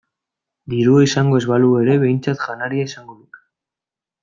Dirua izango ez balu ere behintzat janaria izango luke.